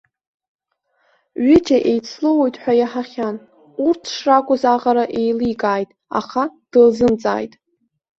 Ҩыџьа еицлоуит ҳәа иаҳахьан, урҭ шракәыз аҟара еиликааит, аха дылзымҵааит.